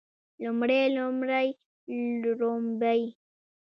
لومړی لومړۍ ړومبی